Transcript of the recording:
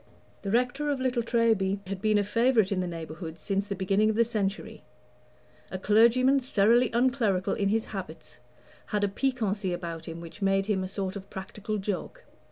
The rector of Little Treby had been a favorite in the neighborhood since the beginning of the century. A clergyman thoroughly unclerical in his habits had a piquancy about him which made him a sort of practical joke.